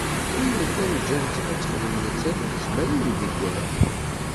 Limmer kan ǧǧan-tt ad texdem nettat tezmer i umdegger.